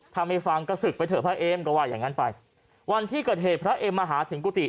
ถ้าไม่ฟังก็ศึกไปเถอะพระเอมก็ว่าอย่างงั้นไปวันที่เกิดเหตุพระเอมมาหาถึงกุฏิ